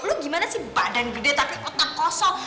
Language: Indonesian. lo gimana sih badan gede tapi otak kosong